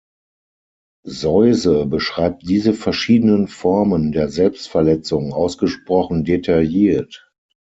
Seuse beschreibt diese verschiedenen Formen der Selbstverletzung ausgesprochen detailliert.